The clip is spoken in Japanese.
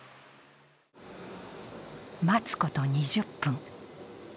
待つこと２０分。